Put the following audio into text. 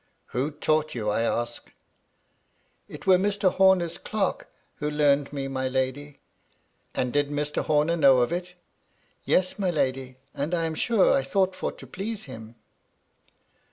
« Who taught you, I ask ?"" It were Mr. Homer's clerk who learned me, my lady." " And did Mr. Homer know of it ?"" Yes, my lady. And I am sure I thought for to please him."